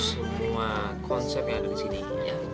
terus cuma konsep yang ada di sini ya